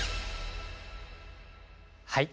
はい。